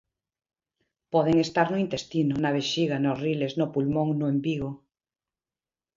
Poden estar no intestino, na vexiga, nos riles, no pulmón, no embigo.